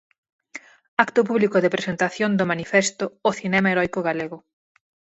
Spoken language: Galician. Acto público de presentación do manifesto 'O cinema heroico galego'.